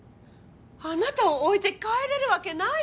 あなたを置いて帰れるわけないでしょ